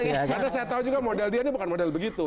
karena saya tahu juga model dia ini bukan model begitu